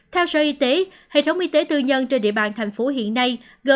theo sở y tế hệ thống y tế tư nhân trên địa bàn tp hcm hiện nay